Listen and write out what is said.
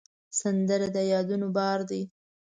سندره د یادونو بار دی